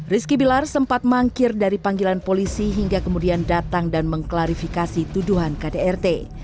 rizky bilar sempat mangkir dari panggilan polisi hingga kemudian datang dan mengklarifikasi tuduhan kdrt